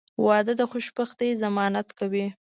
• واده د خوشبختۍ ضمانت کوي.